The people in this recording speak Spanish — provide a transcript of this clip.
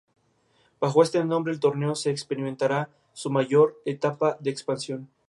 Bajo este nombre el torneo experimentará su mayor etapa de expansión.